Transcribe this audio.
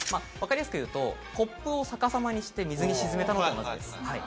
分かりやすく言うとコップを逆さまにして水に沈めたのと同じです。